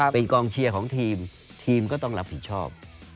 เป็นกองเชียร์ของทีมทีมก็ต้องรับผิดชอบ